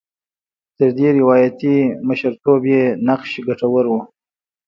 تر دې روایاتي مشرتوب یې نقش ګټور و.